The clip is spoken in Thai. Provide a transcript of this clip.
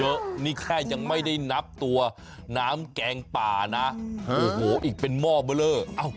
เยอะนี่แค่ยังไม่ได้นับตัวน้ำแกงป่านะ